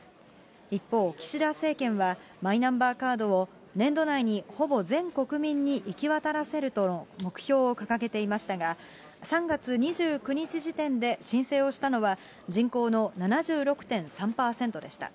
一方、岸田政権はマイナンバーカードを年度内にほぼ全国民に行き渡らせるとの目標を掲げていましたが、３月２９日時点で、申請をしたのは人口の７６．３％でした。